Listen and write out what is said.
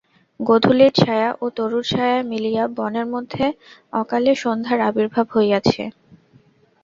গোধূলির ছায়া ও তরুর ছায়ায় মিলিয়া বনের মধ্যে অকালে সন্ধ্যার আবির্ভাব হইয়াছে।